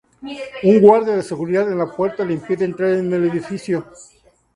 Un guardia de seguridad en la puerta le impide entrar en el edificio.